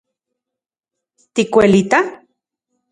¿Tikuelita?